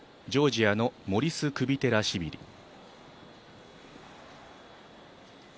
ジョージアのモリス・クビテラシビリ。